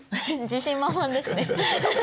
自信満々ですね。